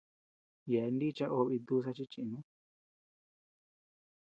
Yeaben nicha obe itduza chi chinu.